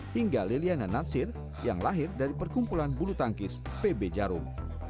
hingga liliana natsir yang lahir dari perkumpulan bulu tangkis pb jarum